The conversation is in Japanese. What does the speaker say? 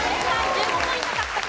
１５ポイント獲得です。